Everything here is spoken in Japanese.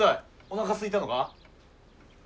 おなかすいたのか？